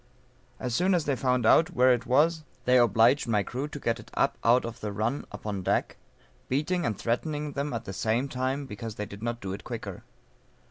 As soon as they found out where it was they obliged my crew to get it up out of the run upon deck, beating and threatening them at the same time because they did not do it quicker.